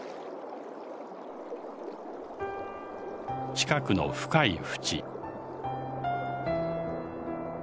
近くの深いふち。